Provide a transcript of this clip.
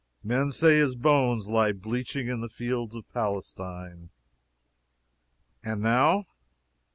Men say his bones lie bleaching in the fields of Palestine." "And now?"